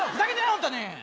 ホントに！